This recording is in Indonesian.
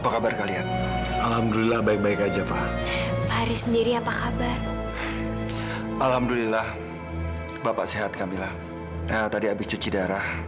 terima kasih juga mila